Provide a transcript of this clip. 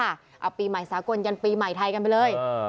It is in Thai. เอาปีใหม่สากลยันปีใหม่ไทยกันไปเลย